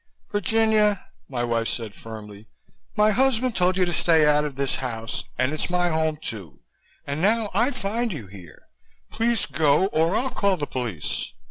"Virginia," my wife said firmly, "my husband told you to stay out of this house and it's my home, too and now I find you here. Please go or I'll call the police."